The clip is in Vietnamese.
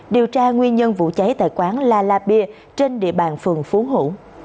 điều tra nguyên nhân vụ cháy tại quán la la beer trên địa bàn phường phú hủ